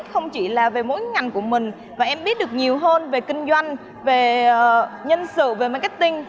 không chỉ là về mỗi ngành của mình mà em biết được nhiều hơn về kinh doanh về nhân sự về marketing